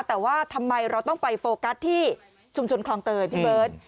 แต่ว่าทำไมเราต้องไปโฟกัสที่ชุมชนคลองเตยพี่เบิร์ต